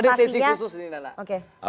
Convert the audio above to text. harus ada sesi khusus nih nana